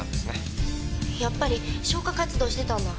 やっぱり消火活動してたんだ。